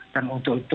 dan untuk itu